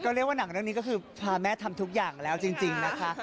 ก็เรียกว่าหนังเรื่องนี้ก็คือพาแม่ทำทุกอย่างแล้วจริงนะคะ